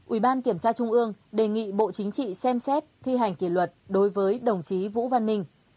ủy ban kiểm tra trung ương đề nghị bộ chính trị xem xét thi hành kỷ luật đối với đồng chí vũ văn ninh